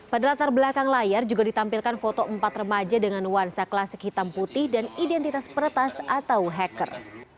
pada latar belakang layar juga ditampilkan foto empat remaja dengan nuansa klasik hitam putih dan identitas peretas atau hacker